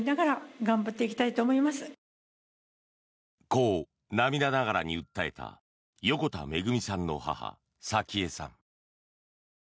こう涙ながらに訴えた横田めぐみさんの母早紀江さん。